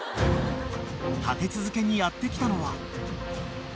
［立て続けにやって来たのは］